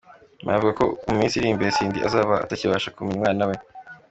Mario avuga ko mu minsi iri imbere Cindy azaba atakibasha kumenya umwana we.